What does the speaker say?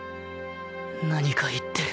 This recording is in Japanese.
何か言ってる